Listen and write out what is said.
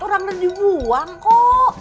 orang sudah dibuang kok